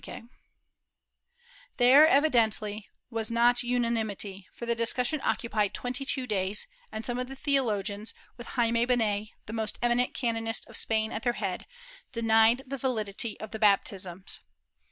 Chap, n] VALENCIA 351 There evidently was not unanimity, for the discussion occupied twenty two days, and some of the theologians, with Jaime Benet, the most eminent canonist of Spain at their head, denied the validity of the baptisms.